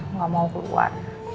enggak mau keluar